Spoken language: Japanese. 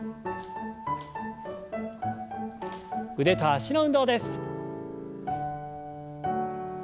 腕と脚の運動です。